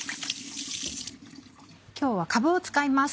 今日はかぶを使います。